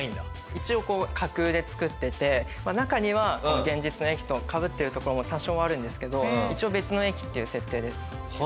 一応架空で作っていて中には現実の駅とかぶってる所も多少あるんですけど一応別の駅っていう設定です。